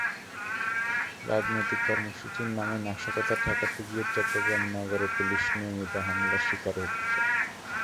রাজনৈতিক কর্মসূচির নামে নাশকতা ঠেকাতে গিয়ে চট্টগ্রাম নগরে পুলিশ নিয়মিত হামলার শিকার হচ্ছে।